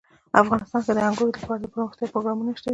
افغانستان کې د انګورو لپاره دپرمختیا پروګرامونه شته دي.